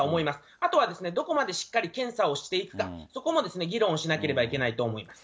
あとはどこまでしっかり検査をしていくか、そこの議論しなければいけないと思います。